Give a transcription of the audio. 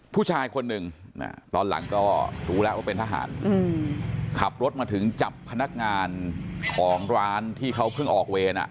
ผู้ชายคนหนึ่งตอนหลังก็รู้แล้วว่าเป็นทหารขับรถมาถึงจับพนักงานของร้านที่เขาเพิ่งออกเวร